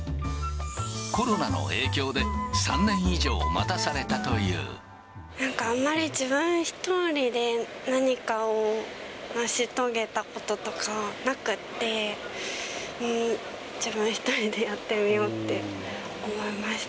コロナの影響で、３年以上待たさなんか、あんまり自分１人で何かを成し遂げたこととかなくって、自分１人でやってみようって思いました。